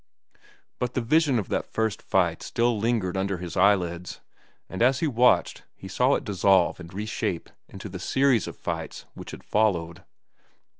But the vision of that first fight still lingered under his eyelids, and as he watched he saw it dissolve and reshape into the series of fights which had followed.